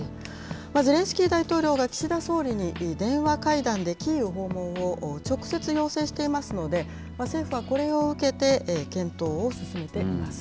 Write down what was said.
ゼレンスキー大統領が、岸田総理に電話会談でキーウ訪問を直接要請していますので、政府はこれを受けて、検討を進めています。